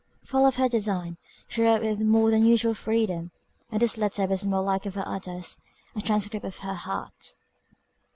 Full of her design, she wrote with more than usual freedom; and this letter was like most of her others, a transcript of her heart.